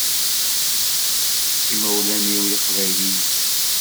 Imawlan-iw d iqbayliyen.